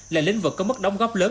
là lĩnh vực có mức đồng góp lớn